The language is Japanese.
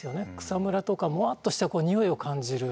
草むらとかモワッとしたにおいを感じる。